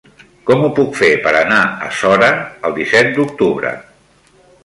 Com ho puc fer per anar a Sora el disset d'octubre?